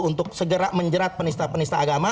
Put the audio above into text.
untuk segera menjerat penista penista agama